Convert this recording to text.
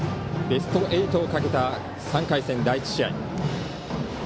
ベスト８をかけた３回戦第１試合。